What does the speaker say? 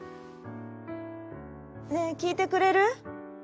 「ねえきいてくれる？